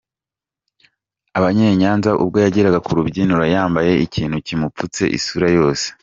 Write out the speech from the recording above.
abanye Nyanza ubwo yageraga ku rubyiniro yambaye ikintu kimupfutse isura yose.